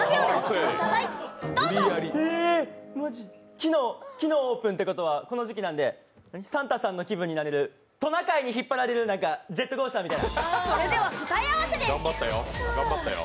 昨日、昨日オープンってことはこの時期なんでサンタさんの気分になれるトナカイに引っ張られるジェットコースターみたいな。